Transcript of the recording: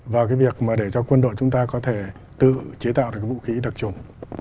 vào cái việc để cho quân đội chúng ta có thể tự chế tạo được vũ khí đặc trùng